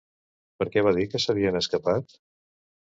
Per què va dir que s'havien escapat?